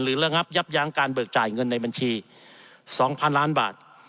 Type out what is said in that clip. ระงับยับยั้งการเบิกจ่ายเงินในบัญชี๒๐๐๐ล้านบาท